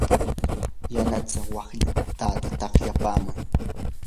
yanasaa waqtataa taqlapaman.